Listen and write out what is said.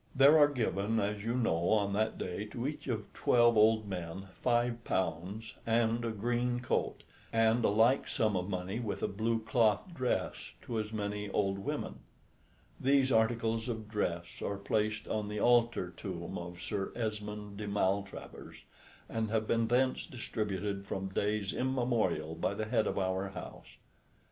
There are given, as you know, on that day to each of twelve old men £5 and a green coat, and a like sum of money with a blue cloth dress to as many old women. These articles of dress are placed on the altar tomb of Sir Esmoun de Maltravers, and have been thence distributed from days immemorial by the head of our house.